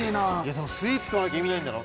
でもスイーツ食わなきゃ意味ないんだろ。